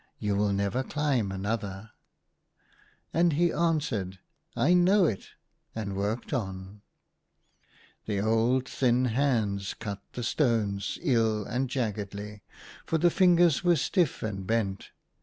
You will never climb another." 48 THE HUNTER. And he answered, *' I know it f' and worked on. The old, thin hands cut the stones ill and jaggedly, for the fingers were stiff and bent.